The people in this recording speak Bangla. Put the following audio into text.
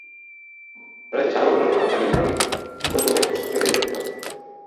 রয়েছে সাদা ভবনের ওপর হালকা নীল রঙের গম্বুজের প্রেসিডেন্ট প্রাসাদ।